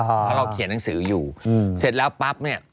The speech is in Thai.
เพราะเราเขียนหนังสืออยู่เสร็จแล้วปั๊บเนี่ย